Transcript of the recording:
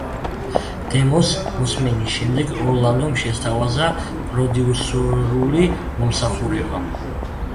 დემოს მოსმენის შემდეგ ორლანდომ შესთავაზა პროდიუსერული მომსახურება.